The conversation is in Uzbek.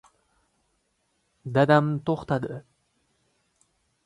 Dadam to‘xtadi.